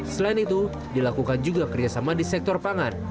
selain itu dilakukan juga kerjasama di sektor pangan